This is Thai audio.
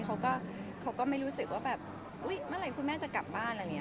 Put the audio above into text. เขาก็เขาก็ไม่รู้สึกว่าแบบอุ๊ยเมื่อไหร่คุณแม่จะกลับบ้านอะไรอย่างนี้